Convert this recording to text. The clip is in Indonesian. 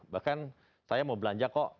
bahkan saya mau belanja kok